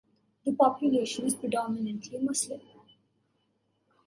The population is predominantly Muslim.